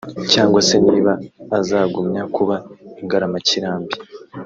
cyangwa se niba azagumya kuba ingaramakirambi